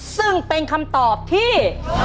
ซึ่งเป็นคำตอบที่